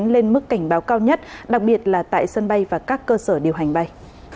lên mức cảnh báo cao nhất đặc biệt là tại sân bay và các cơ sở điều hành bay